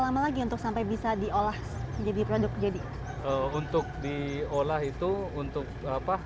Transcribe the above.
lama lagi untuk sampai bisa diolah jadi produk jadi untuk diolah itu untuk apa